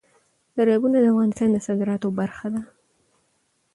دریابونه د افغانستان د صادراتو برخه ده.